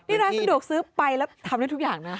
นี่ร้านสะดวกซื้อไปแล้วทำได้ทุกอย่างนะ